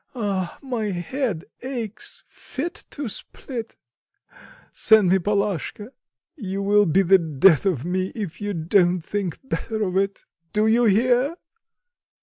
Ah, my head aches fit to split! Send me Palashka. You will be the death of me, if you don't think better of it, do you hear?"